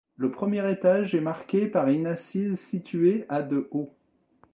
Le premier étage est marqué par une assise située à de haut.